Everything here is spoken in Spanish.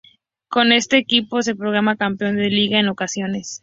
Con este equipo se proclama campeón de Liga en dos ocasiones.